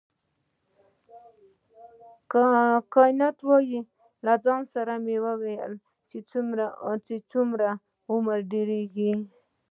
کانت وویل له ځان سره به مې ویل چې څومره عمر ډیریږي.